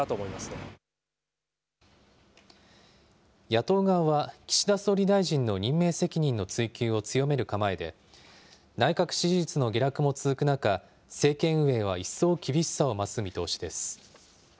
野党側は、岸田総理大臣の任命責任の追及を強める構えで、内閣支持率の下落も続く中、政権運営は一層厳しさを増す見通しです。